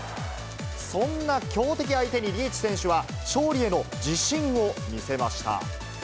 そんな強敵相手にリーチ選手は、勝利への自信を見せました。